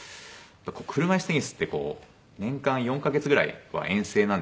車いすテニスって年間４カ月ぐらいは遠征なんですよね海外で。